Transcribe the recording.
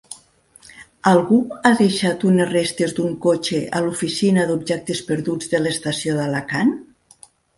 Algú ha deixat unes restes d'un cotxe a l'oficina d'objectes perduts de l'estació d'Alacant?